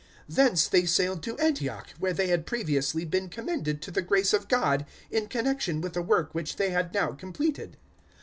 014:026 Thence they sailed to Antioch, where they had previously been commended to the grace of God in connexion with the work which they had now completed.